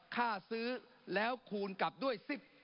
ค่าซื้อแล้วคูณกลับด้วย๑๐บาท